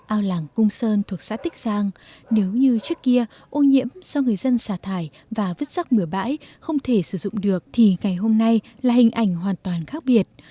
ao làng cung sơn thuộc xã tích giang nếu như trước kia ô nhiễm do người dân xả thải và vứt rắc bửa bãi không thể sử dụng được thì ngày hôm nay là hình ảnh hoàn toàn khác biệt